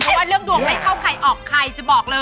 เพราะว่าเรื่องดวงไม่เข้าใครออกใครจะบอกเลย